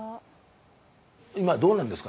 今どうなんですか？